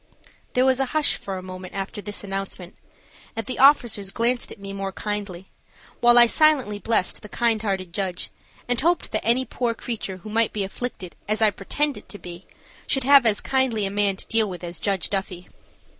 There was a hush for a moment after this announcement, and the officers glanced at me more kindly, while I silently blessed the kind hearted judge, and hoped that any poor creatures who might be afflicted as I pretended to be should have as kindly a man to deal with as Judge Duffy.